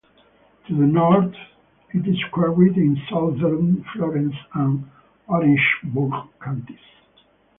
To the north, it is carried in southern Florence and Orangeburg Counties.